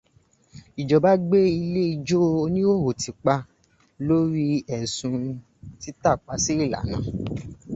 Ìjọba gbé ilé ijó oníhòhò tì pa lórí ẹ̀sùn títàpá sí ìlànà.